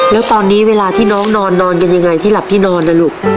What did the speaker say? แล้วตอนนี้เวลาที่น้องนอนนอนกันยังไงที่หลับที่นอนล่ะลูก